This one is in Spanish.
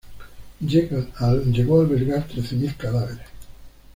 Llegó a albergar trece mil cadáveres.